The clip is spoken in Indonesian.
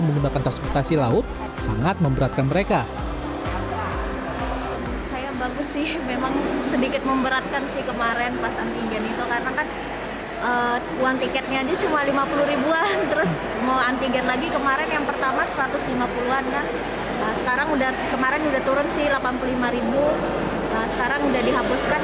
enam puluh lima sekarang sudah dihapuskan itu alhamdulillah sih